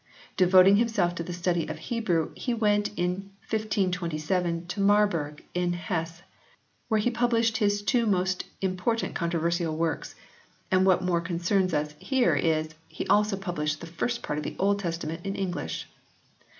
Devoting himself to the study of Hebrew he went in 1527 to Marburg in Hesse where he published his two most important controversial works, and what more concerns us here is, he also published the first part of the Old Testament in English.